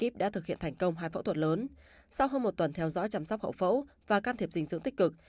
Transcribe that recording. sau hơn một tuần theo dõi chăm sóc hậu phẫu và can thiệp dinh dưỡng tích cực